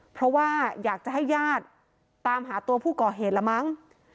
เพราะว่าอยากจะให้ญาติตามหาตัวผู้ก่อเหตุละมั้ง